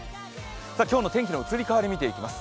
今日の天気の移り変わりを見ていきます。